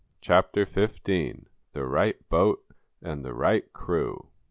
CHAPTER XV "THE RIGHT BOAT AND THE RIGHT CREW!"